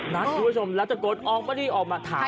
๗นัทดูว่าชมแล้วจะกดออกเมื่อที่ออกมาถ่าย